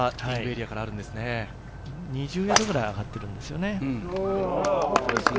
２０ヤードくらい上がっているんですよね。